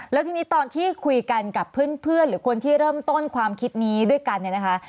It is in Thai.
แล้วทีนี้ตอนที่คุยกันกับเพื่อนหรือคนที่เริ่มต้นความคิดนี้ด้วยกันเนี่ยนะคะ